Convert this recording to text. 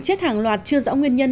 chết hàng loạt chưa rõ nguyên nhân